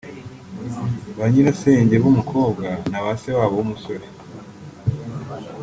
ba Nyirasenge b’umukobwa na ba Se wabo w’umusore